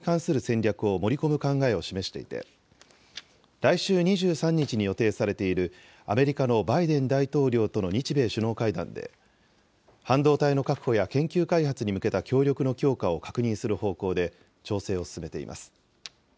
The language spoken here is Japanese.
岸田総理大臣は先に、みずからが掲げる新しい資本主義の実行計画に半導体に関する戦略を盛り込む考えを示していて、来週２３日に予定されている、アメリカのバイデン大統領との日米首脳会談で、半導体の確保や研究開発に向けた協力の強化を確認する方向で調整を進めています。